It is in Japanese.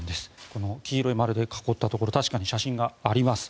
この黄色い丸で囲ったところ確かに写真があります。